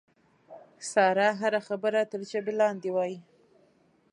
ساره هره خبره تر ژبې لاندې وایي.